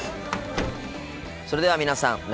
それでは皆さん